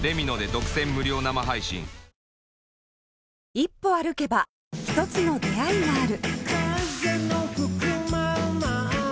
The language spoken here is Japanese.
一歩歩けば一つの出会いがある